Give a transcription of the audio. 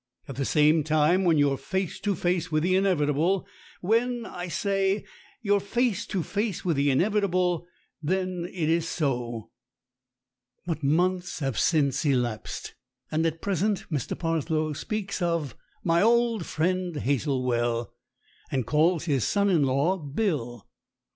At the same time, when you're face to face with the inevitable when, I say, you're face to face with the inevitable then it is so." But months have since elapsed, and at present Mr. Parslow speaks of "my old friend Hazelwell," and calls his son in law Bill.